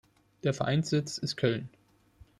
Der Vereinssitz ist Köln.